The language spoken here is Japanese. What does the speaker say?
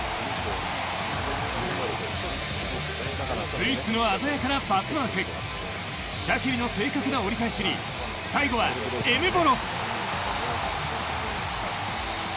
スイスの鮮やかなパスワークシャキリの正確な折り返しに最後はエンボロ。